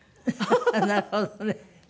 なるほどね。